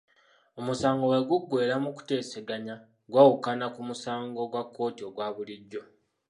Omusango bwe guggweera mu kuteesaganya gwawukana ku musango gwa kkooti ogwa bulijjo.